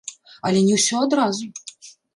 Але не ўсё адразу!